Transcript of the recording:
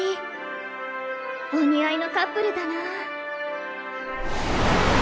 お似合いのカップルだなあ。